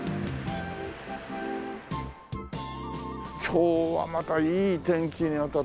今日はまたいい天気にあたって。